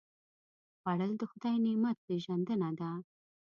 خوړل د خدای نعمت پېژندنه ده